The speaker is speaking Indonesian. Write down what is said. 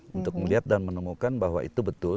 untuk melihat dan menemukan bahwa itu betul